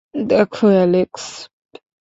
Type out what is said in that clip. দেখো, অ্যালেক্স!